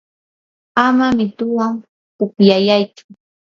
ama mituwan pukllayaychu.